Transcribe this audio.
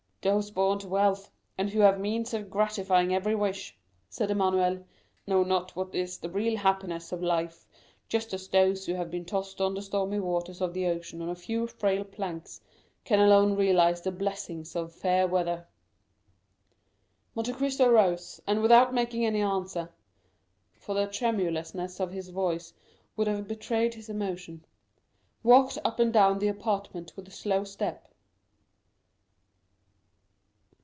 "Those born to wealth, and who have the means of gratifying every wish," said Emmanuel, "know not what is the real happiness of life, just as those who have been tossed on the stormy waters of the ocean on a few frail planks can alone realize the blessings of fair weather." Monte Cristo rose, and without making any answer (for the tremulousness of his voice would have betrayed his emotion) walked up and down the apartment with a slow step.